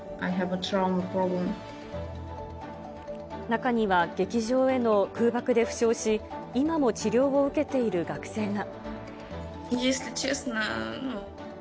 中には劇場への空爆で負傷し、今も治療を受けている学生が。